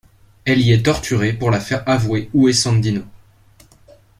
Elle y est torturée pour la faire avouer où est Sandino.